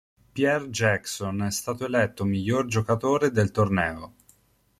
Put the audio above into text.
Pierre Jackson è stato eletto miglior giocatore del torneo.